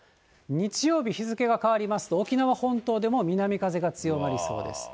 日曜日、日付が変わりますと、沖縄本島でも南風が強まりそうです。